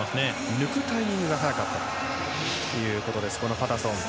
抜くタイミングが早かったということです。